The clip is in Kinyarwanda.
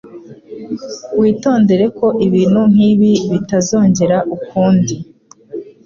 Witondere ko ibintu nkibi bitazongera ukundi.